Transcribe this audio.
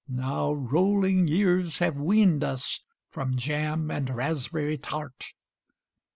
Now rolling years have weaned us from jam and raspberry tart.